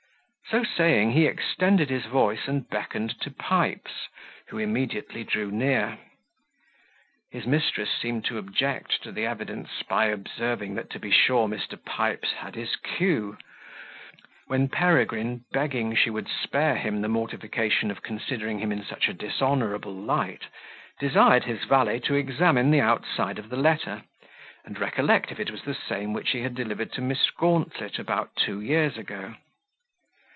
So saying, he extended his voice, and beckoned to Pipes, who immediately drew near. His mistress seemed to object to the evidence, by observing that to be sure Mr. Pipes had his cue; when Peregrine, begging she would spare him the mortification of considering him in such a dishonourable light, desired his valet to examine the outside of the letter, and recollect if it was the same which he had delivered to Miss Gauntlet about two years ago.